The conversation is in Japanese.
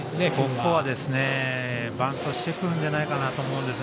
ここはバントをしてくるんじゃないかと思うんです。